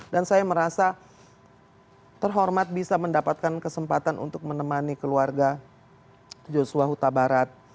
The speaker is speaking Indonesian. dan saya merasa terhormat bisa mendapatkan kesempatan untuk menemani keluarga joshua huta barat